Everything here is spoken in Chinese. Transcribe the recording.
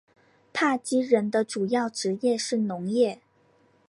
帕基人的主要职业是农业。